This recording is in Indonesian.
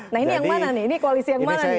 nah ini yang mana nih ini koalisi yang mana nih